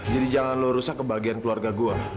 jadi jangan lo rusak kebagian keluarga gue